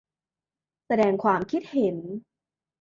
แสดงความคิดเห็น